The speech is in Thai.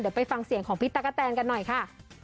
เดี๋ยวไปฟังเสียงของพี่ตั๊กกะแตนกันหน่อยค่ะ